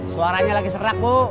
suaranya lagi serak bu